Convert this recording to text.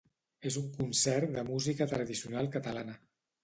És un concert de música tradicional catalana.